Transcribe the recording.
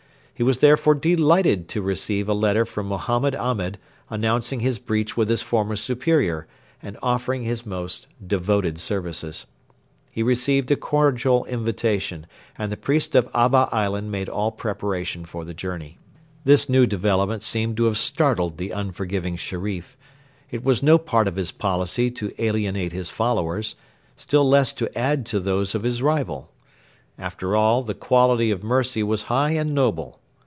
He was therefore delighted to receive a letter from Mohammed Ahmed announcing his breach with his former superior and offering his most devoted services. He returned a cordial invitation, and the priest of Abba island made all preparation for the journey. This new development seems to have startled the unforgiving Sherif. It was no part of his policy to alienate his followers, still less to add to those of his rival. After all, the quality of mercy was high and noble.